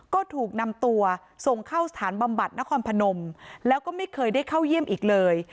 ก็ถูกนำตัวส่งเข้าสถานบำบัดนครพนมแล้วก็ไม่เคยได้เข้าเยี่ยมอีกเลย